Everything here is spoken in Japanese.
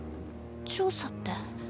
調査って？